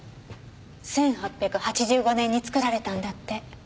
１８８５年に作られたんだって。